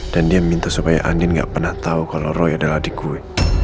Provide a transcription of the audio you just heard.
dan dia minta supaya andin gak pernah tau kalau roy adalah adik gue